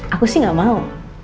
aku sih gak mau